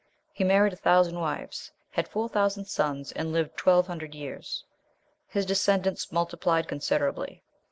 "He married a thousand wives, had four thousand sons, and lived twelve hundred years. His descendants multiplied considerably.